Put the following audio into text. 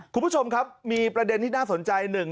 คุณผู้ชมครับมีประเด็นที่น่าสนใจหนึ่ง